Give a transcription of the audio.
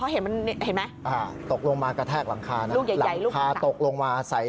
เห็นมั้ย